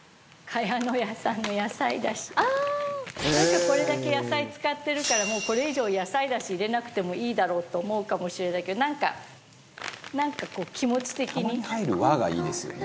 なんかこれだけ野菜使ってるからもうこれ以上野菜だし入れなくてもいいだろうと思うかもしれないけどなんかなんかこう気持ち的に。